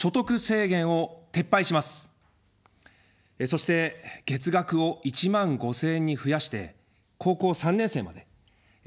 そして、月額を１万５０００円に増やして高校３年生まで支給します。